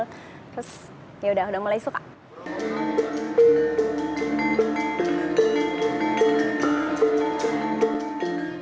terus yaudah mulai suka